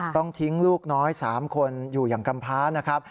ต้องทิ้งลูกน้อย๓คนอยู่อย่างกำพานะครับ